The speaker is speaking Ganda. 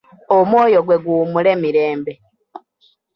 Omwoyo gwe guwummule mirembe.